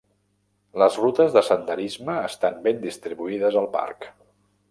Les rutes de senderisme estan ben distribuïdes al parc.